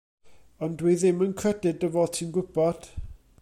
Ond dw i ddim yn credu dy fod ti'n gwybod.